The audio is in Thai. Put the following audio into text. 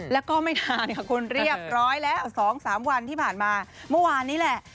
แล้วก็ไม่นานค่ะคุณเรียบร้อยแล้ว๒๓วันที่ผ่านมาเมื่อวานนี้แหละ